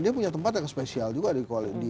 dia punya tempat yang spesial juga di koalisi